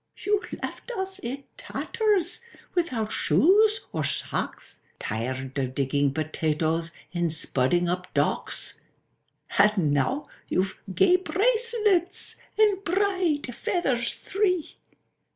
—"You left us in tatters, without shoes or socks, Tired of digging potatoes, and spudding up docks; And now you've gay bracelets and bright feathers three!"